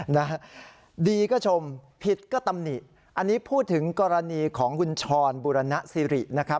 นะฮะดีก็ชมผิดก็ตำหนิอันนี้พูดถึงกรณีของคุณชรบุรณสิรินะครับ